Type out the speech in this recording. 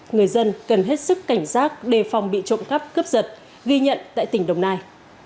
người dân cần hết sức cảnh giác đề phòng bị trộm cắp cướp giật ghi nhận tại tỉnh đồng nai